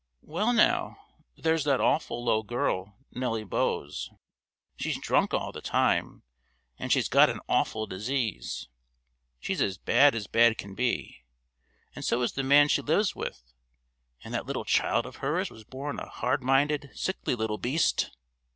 "Well now, there's that awful low girl, Nelly Bowes. She's drunk all the time, and she's got an awful disease. She's as bad as bad can be, and so is the man she lives with; and that little child of hers was born a hard minded, sickly little beast."